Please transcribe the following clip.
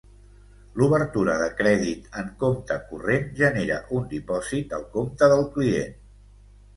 L'obertura de crèdit en compte corrent genera un dipòsit al compte del client.